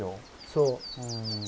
そう。